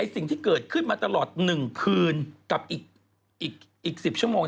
สิ่งที่เกิดขึ้นมาตลอด๑คืนกับอีก๑๐ชั่วโมง